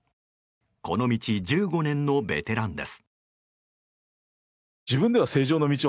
この道１５年のベテランです。